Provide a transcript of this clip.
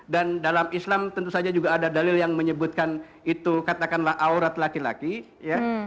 dan dalam islam tentu saja juga ada dalil yang menyebutkan itu katakanlah aurat laki laki ya